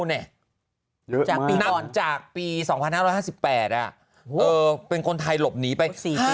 เยอะมากจากปีก่อนนับจากปี๒๕๕๘เป็นคนไทยหลบหนีไป